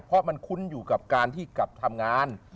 เพราะมันคุ้นอยู่กับการที่กลับทำงาน